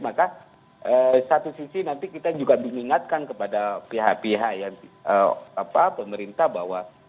maka satu sisi nanti kita juga mengingatkan kepada pihak pihak pemerintah bahwa